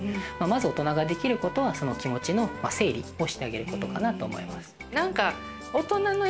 まず大人ができることは気持ちの整理をしてあげることかなと思います。